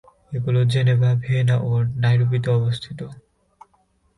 এগুলো Geneva, Vienna ও নাইরোবিতে অবস্থিত।